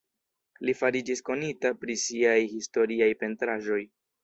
Li fariĝis konita pri siaj historiaj pentraĵoj.